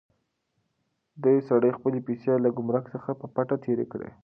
دې سړي خپلې پیسې له ګمرک څخه په پټه تېرې کړې.